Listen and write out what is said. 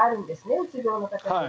うつ病の方にも。